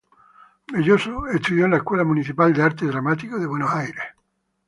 Belloso estudió en la Escuela Municipal de Arte Dramático de Buenos Aires.